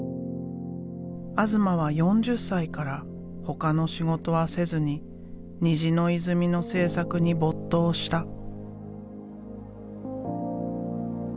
東は４０歳からほかの仕事はせずに「虹の泉」の制作に没頭した。